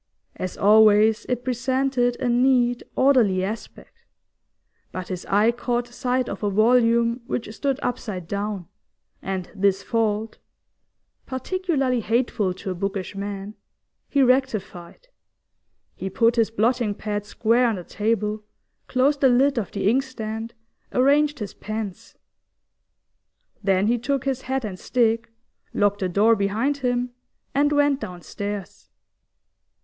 As always, it presented a neat, orderly aspect, but his eye caught sight of a volume which stood upside down, and this fault particularly hateful to a bookish man he rectified. He put his blotting pad square on the table, closed the lid of the inkstand, arranged his pens. Then he took his hat and stick, locked the door behind him, and went downstairs.